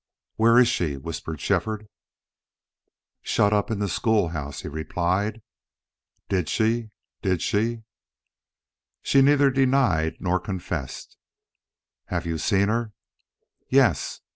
"Where is she?" whispered Shefford. "Shut up in the school house," he replied. "Did she did she " "She neither denied nor confessed." "Have you seen her?" "Yes."